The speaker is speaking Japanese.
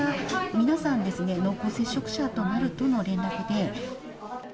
皆さん、濃厚接触者となるとの連絡で。